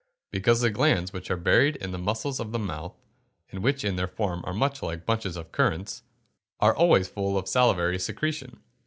_ Because the glands, which are buried in the muscles of the mouth, and which in their form are much like bunches of currants, are always full of salivary secretion.